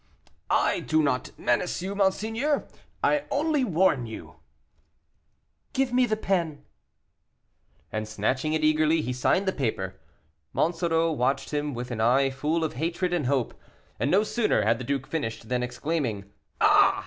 "I do not menace you, monseigneur I only warn you." "Give me the pen." And, snatching it eagerly, he signed the paper. Monsoreau watched him with an eye full of hatred and hope, and no sooner had the duke finished than, exclaiming "Ah!"